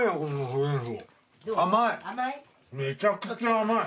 甘い！